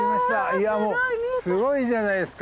いやもうすごいじゃないですか。